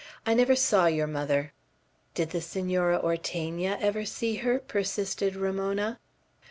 "I never saw your mother." "Did the Senora Ortegna ever see her?" persisted Ramona.